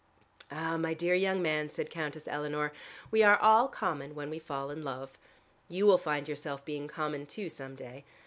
"Ah, my dear young man," said Countess Eleanor, "we are all common when we fall in love. You will find yourself being common too, some day.